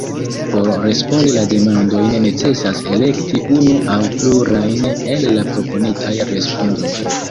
Por respondi la demandojn necesas elekti unu aŭ plurajn el la proponitaj respondoj.